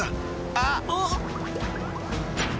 あっ。